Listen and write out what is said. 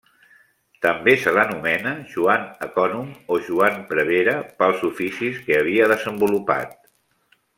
També se l'anomena Joan Ecònom o Joan Prevere pels oficis que havia desenvolupat.